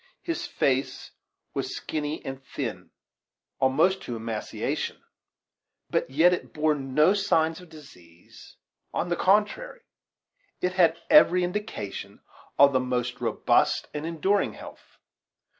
His face was skinny and thin al most to emaciation; but yet it bore no signs of disease on the contrary, it had every indication of the most robust and enduring health.